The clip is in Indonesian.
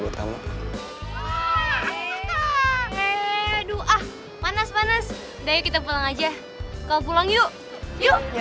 buat kamu eh dua ah panas panas daya kita pulang aja kau pulang yuk yuk yuk yuk